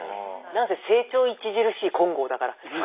何せ「成長著しい金剛」だから。